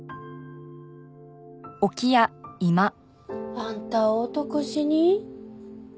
あんたを男衆に？